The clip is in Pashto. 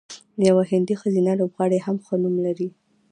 یوه هندۍ ښځینه لوبغاړې هم ښه نوم لري.